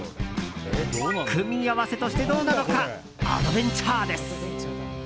組み合わせとしてどうなのかアドベンチャーです。